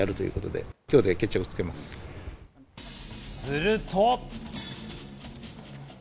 すると。